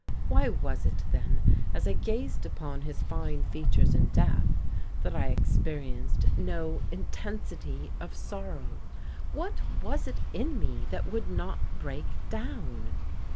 Why was it then, as I gazed upon his fine features in death, that I experienced no intensity of sorrow? What was it in me that would not break down?